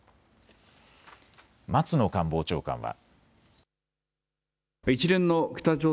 松野官房長官は。